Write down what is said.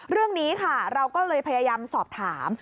เรื่องนี้ค่ะเราก็เลยพยายามสอบถาม